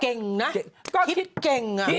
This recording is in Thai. เก่งนะก็คิดเก่งอ่ะ